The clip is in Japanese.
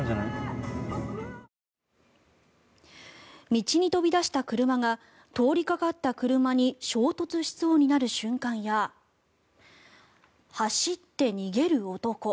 道に飛び出した車が通りかかった車に衝突しそうになる瞬間や走って逃げる男。